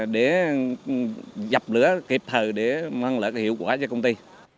để dập lửa kịp thời để mang lại hiệu quả cho công ty